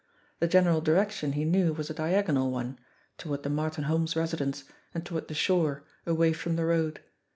The general direction, he knew, was a diagonal one toward the Martin Holmes' residence, and toward the shore, away from the road.